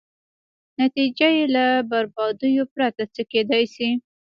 نتېجه یې له بربادیو پرته څه کېدای شي.